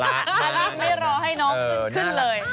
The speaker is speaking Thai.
อลินไม่รอให้น้องขึ้นเลย